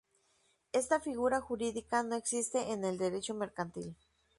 Esta figura jurídica no existe en el Derecho mercantil.